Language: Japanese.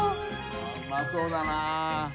あっうまそうだな。